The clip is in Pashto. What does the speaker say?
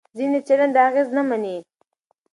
ځینې څېړنې دا اغېز نه مني.